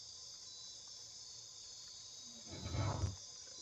احتمالاً هلته د ډلې عمومی وژنه شوې وه.